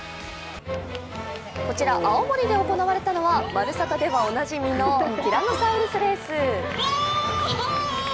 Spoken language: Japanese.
こちら青森で行われたのは「まるサタ」ではおなじみのティラノサウルスレース。